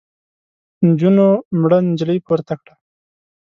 نجونو مړه نجلۍ پورته کړه.